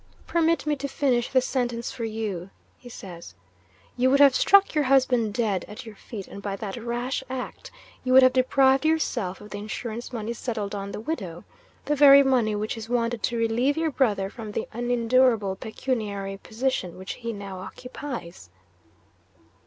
"Permit me to finish the sentence for you," he says. "You would have struck your husband dead at your feet; and by that rash act, you would have deprived yourself of the insurance money settled on the widow the very money which is wanted to relieve your brother from the unendurable pecuniary position which he now occupies!"